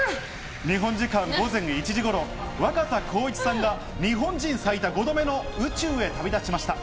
日本時間午前１時頃、若田光一さんが日本人最多５度目の宇宙へ旅立ちました。